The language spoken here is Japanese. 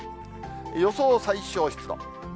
予想最小湿度。